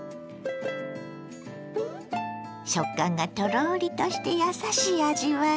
食感がトロリとしてやさしい味わい。